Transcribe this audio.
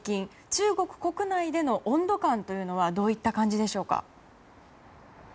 中国国内での温度感というのはどういった感じでしょうか。